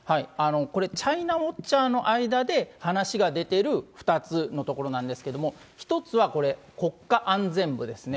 これ、チャイナウォッチャーの間で、話が出てる２つのところなんですけれども、１つはこれ、国家安全部ですね。